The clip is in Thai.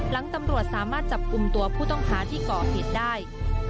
หลังตำรวจสามารถจับกลุ่มตัวผู้ต้องหาที่ก่อเหตุได้